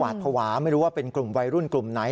ภาวะไม่รู้ว่าเป็นกลุ่มวัยรุ่นกลุ่มไหน